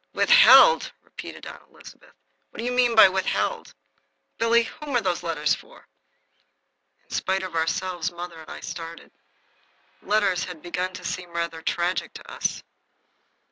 "Withheld!" repeated Aunt Elizabeth. "What do you mean by 'withheld'? Billy, whom are those letters for?" In spite of ourselves mother and I started. Letters have begun to seem rather tragic to us.